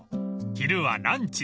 ［昼はランチ